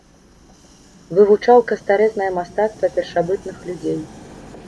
Вывучаў кастарэзнае мастацтва першабытных людзей.